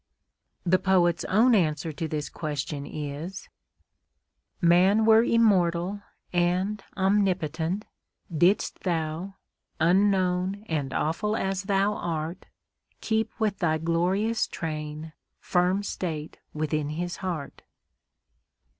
The poet's own answer to this question is: Man were immortal, and omnipotent, Didst thou, unknown and awful as thou art, Keep with thy glorious train firm state within his heart.